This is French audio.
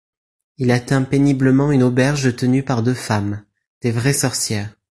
Il atteint péniblement une auberge tenue par deux femmes, des vraies sorcières...